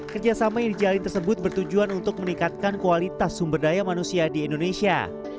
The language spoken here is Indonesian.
kerjasama yang dijalin tersebut bertujuan untuk meningkatkan kualitas sumber daya manusia di indonesia